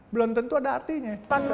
belum tentu ada artinya